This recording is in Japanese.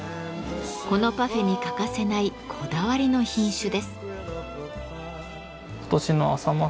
このパフェに欠かせないこだわりの品種です。